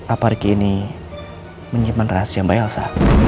apa riki ini menyimpan rahasia mbak elsa